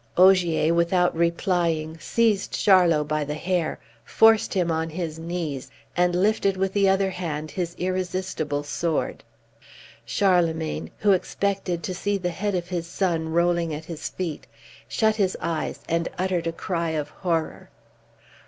Ogier, without replying, seized Charlot by the hair, forced him on his knees, and lifted with the other hand his irresistible sword. Charlemagne, who expected to see the head of his son rolling at his feet, shut his eyes and uttered a cry of horror.